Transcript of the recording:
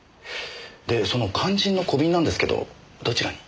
でその肝心の小瓶なんですけどどちらに？